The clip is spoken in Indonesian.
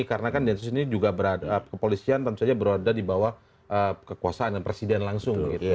karena kan densus ini juga kepolisian tentu saja berada di bawah kekuasaan presiden langsung